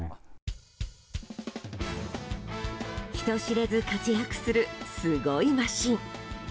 人知れず活躍するすごいマシン。